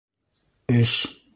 Эш